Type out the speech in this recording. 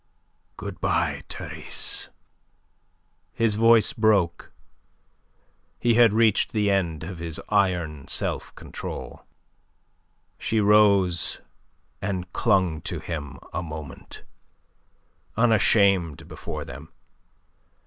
"Good bye, Therese!" His voice broke. He had reached the end of his iron self control. She rose and clung to him a moment, unashamed before them.